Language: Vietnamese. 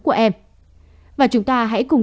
của em và chúng ta hãy cùng